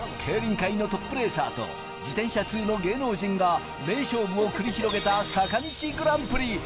競輪界のトップレーサーと自転車通の芸能人が名勝負を繰り広げた坂道グランプリ。